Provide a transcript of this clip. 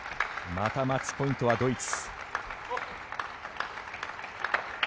またマッチポイントはドイツ。